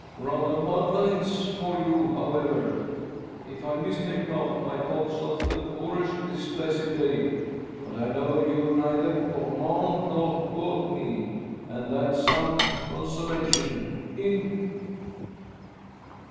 Rather hard lines for you, however. If I mistake not, my pot's of the poorest this blessed day. But I know you're neither gourmand nor gourmet; and that's some consolation. In!"